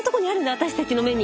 私たちの目に！